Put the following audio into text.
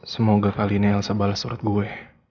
semoga kali ini elsa bales surat gue